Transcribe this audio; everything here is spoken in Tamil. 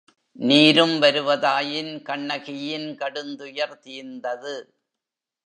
நீரும் வருவதாயின் கண்ணகியின் கடுந்துயர் தீர்ந்தது.